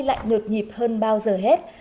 không khí lại ngược nhịp hơn bao giờ hết